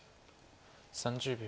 ３０秒。